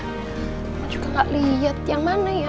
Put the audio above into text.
emang juga gak liat yang mana ya